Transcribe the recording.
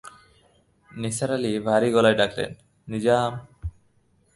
নিসার আলি ভারি গলায় ডাকলেন, নিজাম!